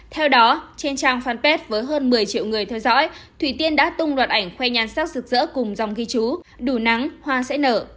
theo đó trên trang fanpage với hơn một mươi triệu người theo dõi thủy tiên đã tung loạt ảnh khoe nhan sắc rực rỡ cùng dòng ghi chú đủ nắng hoa sẽ nở